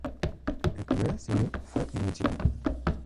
El primer single fue "Invencible".